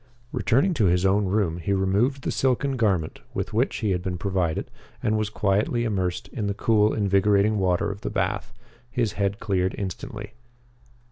Returning to his own room, he removed the silken garment with which he had been provided and was quietly immersed in the cool, invigorating water of the bath. His head cleared instantly.